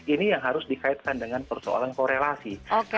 ini yang harus dikaitkan dengan persoalan korelasi